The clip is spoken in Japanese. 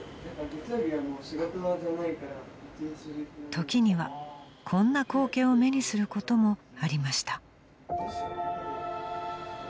［時にはこんな光景を目にすることもありました］